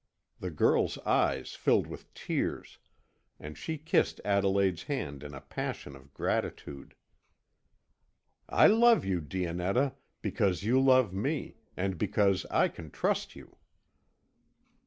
The girl's eyes filled with tears, and she kissed Adelaide's hand in a passion of gratitude. "I love you, Dionetta, because you love me, and because I can trust you."